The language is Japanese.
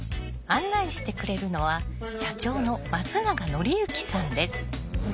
案内してくれるのは社長の松永紀之さんです。